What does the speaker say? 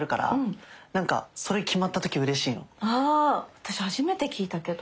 私初めて聞いたけど。